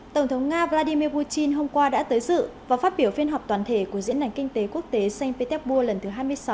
tổng thống nga vladimir putin hôm qua đã tới dự và phát biểu phiên họp toàn thể của diễn đàn kinh tế quốc tế saint petersburg lần thứ hai mươi sáu